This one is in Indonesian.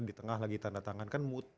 di tengah lagi tanda tangan kan mood